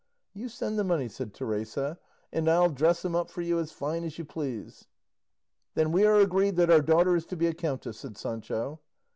"You send the money," said Teresa, "and I'll dress him up for you as fine as you please." "Then we are agreed that our daughter is to be a countess," said Sancho.